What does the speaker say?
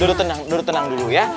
dudut duduk tenang dulu ya